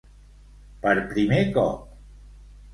Per primer cop.